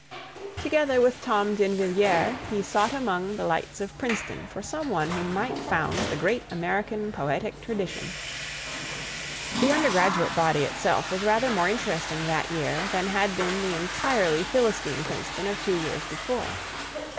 Together with Tom D'Invilliers, he sought among the lights of Princeton for some one who might found the Great American Poetic Tradition. The undergraduate body itself was rather more interesting that year than had been the entirely Philistine Princeton of two years before.